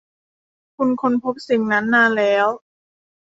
คุณค้นพบสิ่งนั้นนานแล้ว